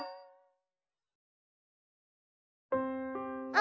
「あ！」